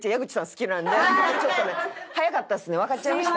好きなんでちょっとね早かったですねわかっちゃいましたね。